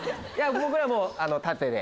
僕らも縦で。